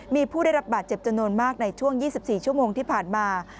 มีผู้ได้รับบาดเจ็บจำนวนมากในช่วง๒๔ชั่วโมงที่ผ่านมา